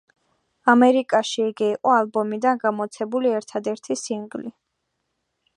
ამერიკაში იგი იყო ალბომიდან გამოცემული ერთადერთი სინგლი.